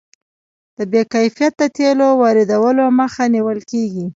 د بې کیفیته تیلو واردولو مخه نیول کیږي.